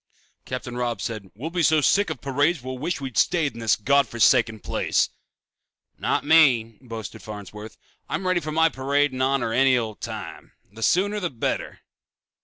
Captain Robb said, "We'll be so sick of parades we'll wish we'd stayed in this God forsaken place." "Not me," boasted Farnsworth. "I'm ready for a parade in my honor any old time. The sooner the better."